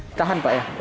ditahan pak ya